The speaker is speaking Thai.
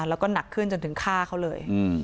แล้วก็หนักขึ้นจนถึงฆ่าเขาเลย